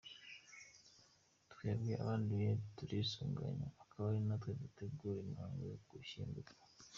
Twebwe abanduye twarisuganyaga, akaba ari twe dutegura imihango yo gushyingura.